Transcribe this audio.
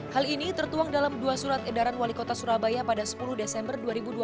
hal ini tertuang dalam dua surat edaran wali kota surabaya pada sepuluh desember dua ribu dua puluh